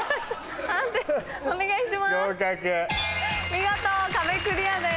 見事壁クリアです。